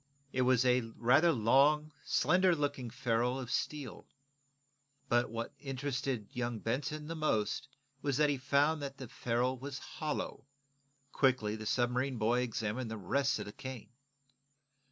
It was a rather long, slender looking ferrule of steel. But what interested young Benson most was that he had found that the ferrule was hollow. Quickly the submarine boy examined the rest of the cane.